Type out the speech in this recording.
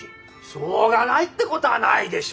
しょうがないってことはないでしょ？